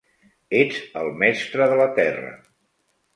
Ets el Mestre de la Terra.